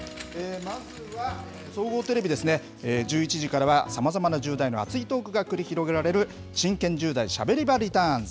まずは、総合テレビですね、１１時からはさまざまな１０代の熱いトークが繰り広げられる、真剣１０代しゃべり場リターンズ！！